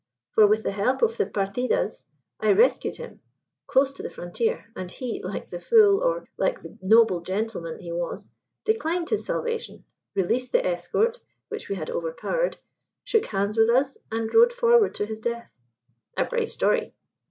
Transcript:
For with the help of the partidas I rescued him, close to the frontier; and he like the fool, or like the noble gentleman he was declined his salvation, released the escort (which we had overpowered), shook hands with us, and rode forward to his death." "A brave story."